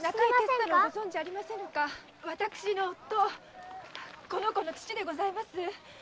私の夫この子の父でございます。